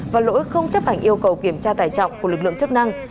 và lỗi không chấp hành yêu cầu kiểm tra tải trọng của lực lượng chức năng